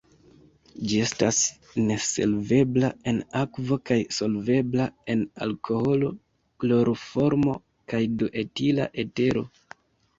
Ĝi estas nesolvebla en akvo kaj solvebla en alkoholo, kloroformo kaj duetila etero.